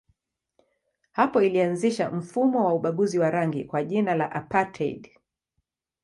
Hapo ilianzisha mfumo wa ubaguzi wa rangi kwa jina la apartheid.